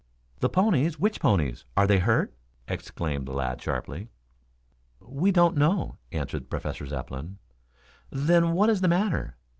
"The ponies? Which ponies? Are they hurt?" exclaimed the lad sharply. "We don't know," answered Professor Zepplin. "Then what is the matter?